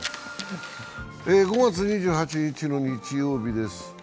５月２８日の日曜日です。